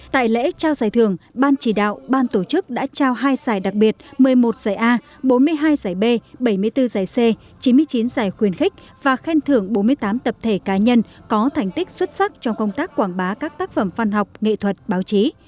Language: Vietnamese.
tại lễ trao giải thưởng ban chỉ đạo ban tổ chức đã trao hai giải đặc biệt một mươi một giải a bốn mươi hai giải b bảy mươi bốn giải c chín mươi chín giải khuyên khích và khen thưởng bốn mươi tám tập thể cá nhân có thành tích xuất sắc trong công tác quảng bá các tác phẩm văn học nghệ thuật báo chí